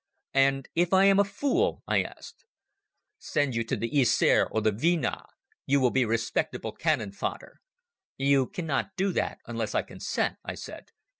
"And if I am a fool?" I asked. "Send you to the Yser or the Dvina. You will be respectable cannon fodder." "You cannot do that unless I consent," I said.